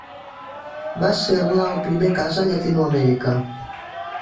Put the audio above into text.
Va ser-ne el primer cas a Llatinoamèrica.